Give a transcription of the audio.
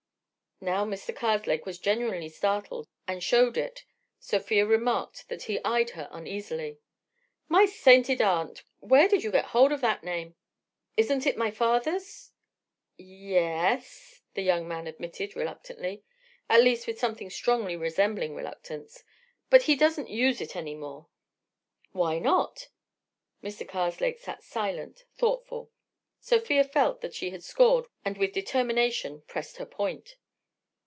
Now Mr. Karslake was genuinely startled and showed it. Sofia remarked that he eyed her uneasily. "My sainted aunt! Where did you get hold of that name?" "Isn't it my father's?" "Ye es," the young man admitted, reluctantly; at least with something strongly resembling reluctance. "But he doesn't use it any more." "Why not?" Mr. Karslake was silent, thoughtful. Sofia felt that she had scored and with determination pressed her point.